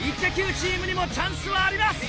チームにもチャンスはあります！